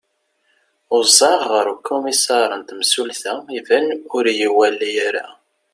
uẓaɣ ɣer ukumisar n temsulta iban ur iyi-iwali ara